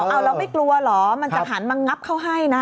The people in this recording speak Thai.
เอาเราไม่กลัวเหรอมันจะหันมางับเขาให้นะ